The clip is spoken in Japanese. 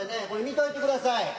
これ見といてください。